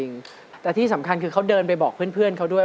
คณะกรรมการเชิญเลยครับพี่อยากให้ก่อนเพื่อนเลย